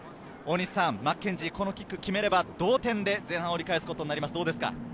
マッケンジー、このキック決めれば同点で前半を折り返すことになります。